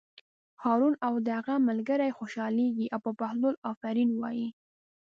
هارون او د هغه ملګري خوشحالېږي او په بهلول آفرین وایي.